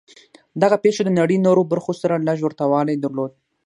دغو پېښو د نړۍ نورو برخو سره لږ ورته والی درلود